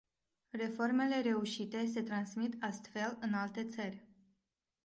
Reformele reușite se transmit astfel în alte țări.